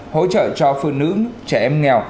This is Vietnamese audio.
hỗ trợ cho phụ nữ trẻ em nghèo